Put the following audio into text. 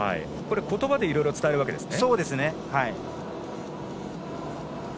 言葉でいろいろ伝えるわけですね。